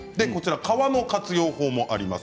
皮の活用法もあります。